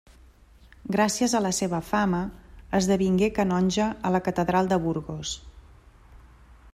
Gràcies a la seva fama esdevingué canonge a la catedral de Burgos.